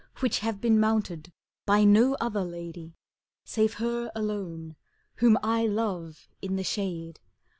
Which have been mounted by no other lady. Save her alone, whom I love in the shade.